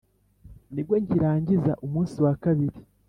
nibwo nkirangiza umunsi wa kabiri